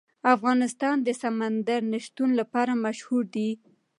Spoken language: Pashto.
افغانستان د سمندر نه شتون لپاره مشهور دی.